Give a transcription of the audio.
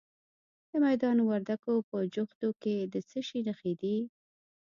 د میدان وردګو په جغتو کې د څه شي نښې دي؟